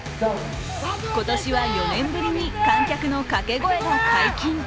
今年は４年ぶりに観客の掛け声が解禁。